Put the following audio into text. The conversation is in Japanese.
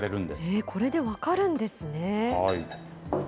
これで分かるんですね。